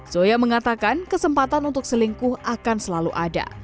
zoya mengatakan kesempatan untuk selingkuh akan selalu ada